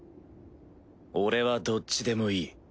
俺はどっちでもいい。